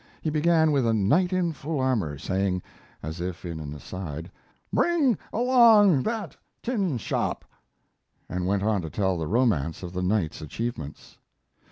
He began with a knight in full armor, saying, as if in an aside, "Bring along that tinshop," and went on to tell the romance of the knight's achievements.